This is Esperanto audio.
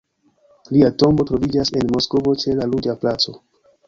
Lia tombo troviĝas en Moskvo, ĉe la Ruĝa Placo.